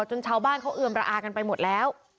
จนชาวบ้านเขาเอือมระอากันไปหมดแล้ว